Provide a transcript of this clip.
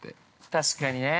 ◆確かにね。